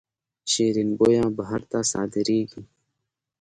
شیرین بویه بهر ته صادریږي